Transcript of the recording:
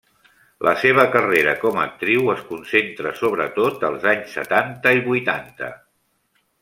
La seva carrera com a actriu es concentra sobretot als anys setanta i vuitanta.